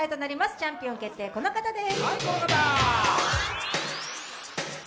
チャンピオン決定、この方です。